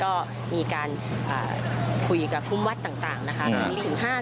ก็มีการคุยกับคุ้มวัดต่างนะคะ